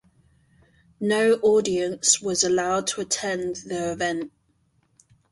No audience was allowed to attend the event.